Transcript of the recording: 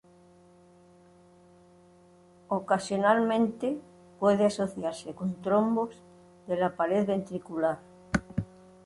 Ocasionalmente, puede asociarse con trombos de la pared ventricular.